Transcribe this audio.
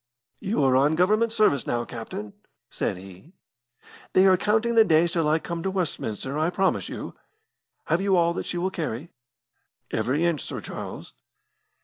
"You are on Government service now, captain," said he. "They are counting the days till I come to Westminster, I promise you. Have you all that she will carry?" "Every inch, Sir Charles."